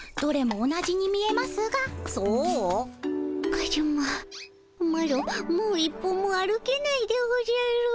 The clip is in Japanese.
カズママロもう一歩も歩けないでおじゃる。